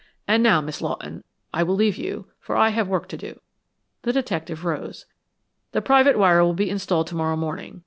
And now, Miss Lawton, I will leave you, for I have work to do." The detective rose. "The private wire will be installed to morrow morning.